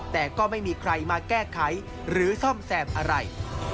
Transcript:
แต่ก็ไม่มีใครมาแก้ไขหรือซ่อมแซมอะไร